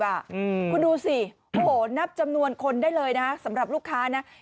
คุณดูสิโอ้โหนับจำนวนคนได้เลยนะสำหรับลูกค้านะ